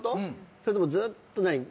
それともずっと何？